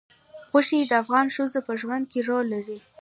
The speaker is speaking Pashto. غوښې د افغان ښځو په ژوند کې رول لري.